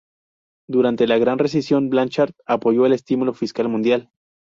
Durante la Gran Recesión Blanchard apoyó el estímulo fiscal mundial.